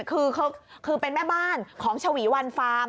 คือเป็นแม่บ้านของชวีวันฟาร์ม